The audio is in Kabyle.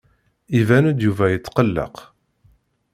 Iban-d Yuba yettqelleq.